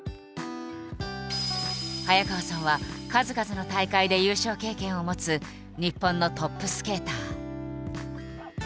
早川さんは数々の大会で優勝経験を持つ日本のトップスケーター。